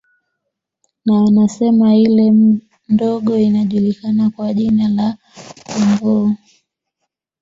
Na wanasema ile ndogo inajulikana kwa jina la Pomboo